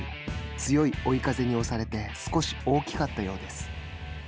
強い追い風に押されて少し大きかったようです。